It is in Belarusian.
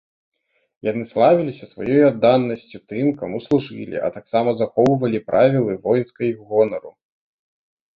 Яны славіліся сваёй адданасцю тым, каму служылі, а таксама захоўвалі правілы воінскай гонару.